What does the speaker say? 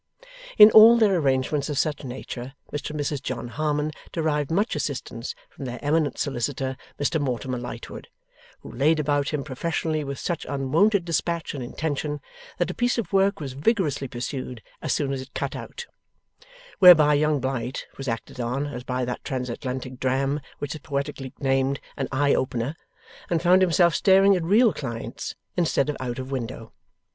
In all their arrangements of such nature, Mr and Mrs John Harmon derived much assistance from their eminent solicitor, Mr Mortimer Lightwood; who laid about him professionally with such unwonted despatch and intention, that a piece of work was vigorously pursued as soon as cut out; whereby Young Blight was acted on as by that transatlantic dram which is poetically named An Eye Opener, and found himself staring at real clients instead of out of window.